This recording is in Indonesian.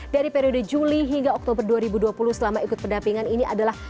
dari periode juli hingga oktober dua ribu dua puluh selama ikut pendampingan ini adalah